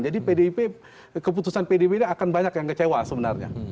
jadi pdip keputusan pdip ini akan banyak yang kecewa sebenarnya